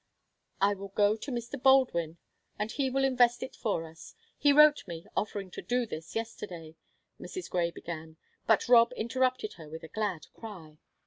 "It will go to Mr. Baldwin, and he will invest it for us he wrote me, offering to do this, yesterday," Mrs. Grey began, but Rob interrupted her with a glad cry.